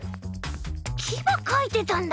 きばかいてたんだ。